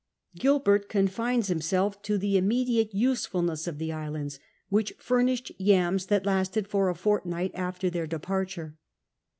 Gilbert confines himself to the immediate usefulness of the islands, 134 CAPTAIN COOK OHAP. Ti^hich furnished yams that lasted for a fortnight after their de})arture.